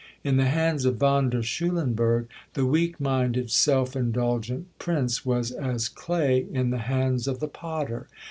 In the hands of Von der Schulenburg the weak minded, self indulgent Prince was as clay in the hands of the potter.